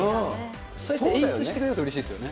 そうやって演出してくれるとうれしいですよね。